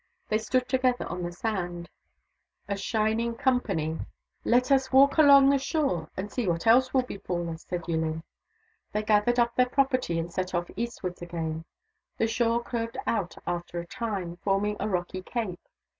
They stood together on the sand, a shining company i82 THE DAUGHTERS OF WONKAWALA " Let us walk along the shore, and see what else will befall us," said Yillin. They gathered up their property and set off eastwards again. The shore curved out after a time, forming a rocky cape.